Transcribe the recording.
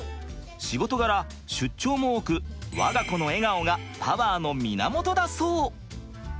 仕事柄出張も多く我が子の笑顔がパワーの源だそう！